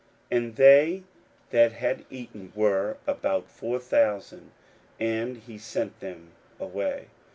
41:008:009 And they that had eaten were about four thousand: and he sent them away.